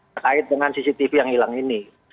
terkait dengan cctv yang hilang ini